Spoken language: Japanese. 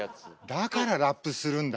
だからラップするんだ。